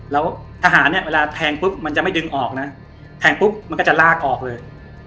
แล้วทหารเนี่ยเวลาแทงปุ๊บมันจะไม่ดึงออกนะแทงปุ๊บมันก็จะลากออกเลย